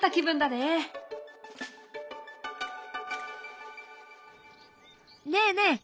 ねえねえ！